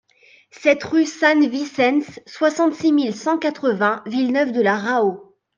sept rue San Vicens, soixante-six mille cent quatre-vingts Villeneuve-de-la-Raho